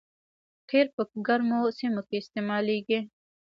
قیر په ګرمو سیمو کې استعمالیږي